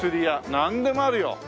なんでもあるよ。